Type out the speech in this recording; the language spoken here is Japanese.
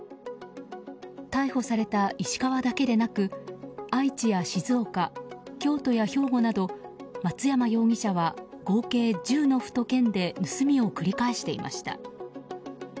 逮捕された石川だけでなく愛知や静岡、京都や兵庫など松山容疑者は合計１０の府と県で盗みを繰り返していました。